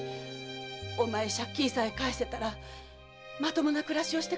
お前借金さえ返せたらまともな暮らししてくれるだろ？